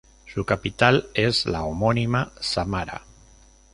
Su capital es la homónima Samara.